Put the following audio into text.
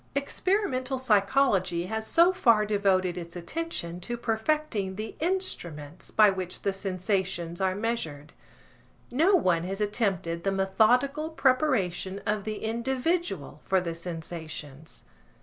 Experimental psychology has so far devoted its attention to perfecting the instruments by which the sensations are measured. No one has attempted the methodical preparation of the individual for the sensations.